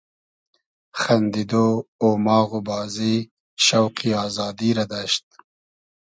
خئندیدۉ , اوماغ و بازی , شۆقی آزادی رۂ دئشت